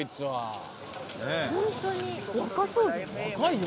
若そうだよ。